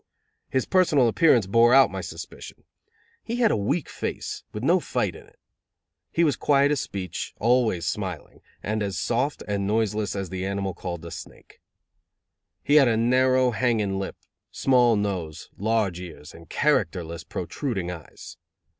His personal appearance bore out my suspicion. He had a weak face, with no fight in it. He was quiet of speech, always smiling, and as soft and noiseless as the animal called the snake. He had a narrow, hanging lip, small nose, large ears, and characterless, protruding eyes.